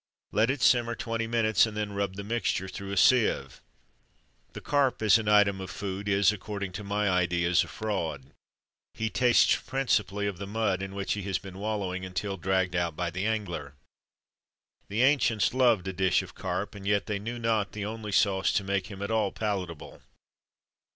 Let it simmer twenty minutes, and then rub the mixture through a sieve. The carp as an item of food is, according to my ideas, a fraud. He tastes principally of the mud in which he has been wallowing until dragged out by the angler. The ancients loved a dish of carp, and yet they knew not the only sauce to make him at all palatable.